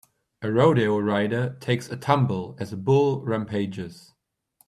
A rodeo rider takes a tumble as a bull rampages.